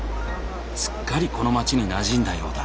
すっかりこの町になじんだようだ。